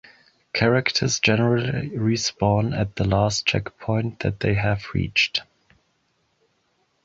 Characters generally respawn at the last checkpoint that they have reached.